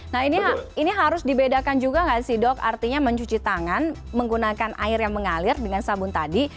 nah ini harus dibedakan juga nggak sih dok artinya mencuci tangan menggunakan air yang mengalir dengan sabun tadi